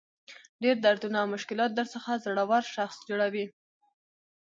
ډېر دردونه او مشکلات درڅخه زړور شخص جوړوي.